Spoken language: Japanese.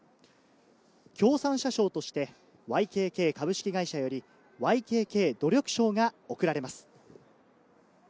協賛社賞としてＹＫＫ株式会社よりＹＫＫ努力賞が贈られます。